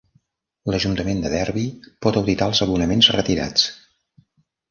L"ajuntament de Derby pot auditar els abonaments retirats.